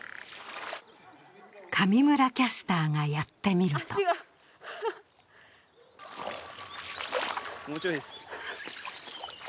上村キャスターがやってみると足が。